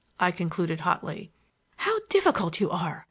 I concluded hotly. "How difficult you are!